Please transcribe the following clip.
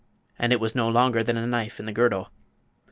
and it was no longer than a knife in the girdle.